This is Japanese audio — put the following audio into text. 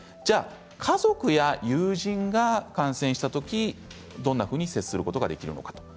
家族や友人が感染したときどんなふうにすることができるのか。